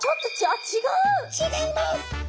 違います！